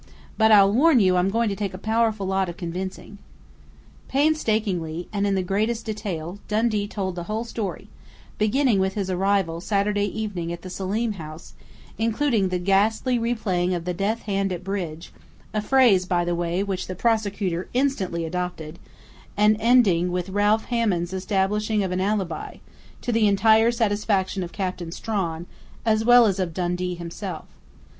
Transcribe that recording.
But I warn you I'm going to take a powerful lot of convincing." Painstakingly, and in the greatest detail, Dundee told the whole story, beginning with his arrival Saturday evening at the Selim house, including the ghastly replaying of the "death hand at bridge" a phrase, by the way, which the prosecutor instantly adopted and ending with Ralph Hammond's establishing of an alibi, to the entire satisfaction of Captain Strawn, as well as of Dundee himself.